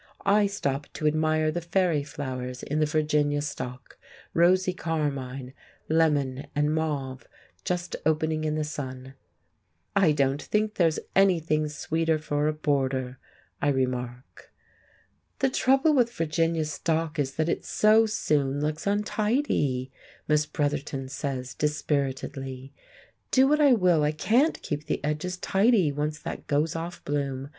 I stop to admire the fairy flowers in the Virginia stock, rosy carmine, lemon and mauve, just opening in the sun. "I don't think there is anything sweeter for a border," I remark. "The trouble with Virginia stock is that it so soon looks untidy," Miss Bretherton says dispiritedly. "Do what I will, I can't keep the edges tidy once that goes off bloom.